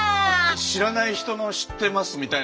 知らない人も知ってますみたいな。